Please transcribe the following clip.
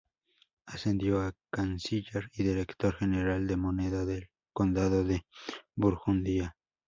Ascendió a canciller y director general de moneda del condado de Burgundia.